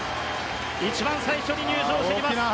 一番最初に入場してきます。